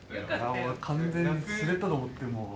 俺完全に滑ったと思ってもう。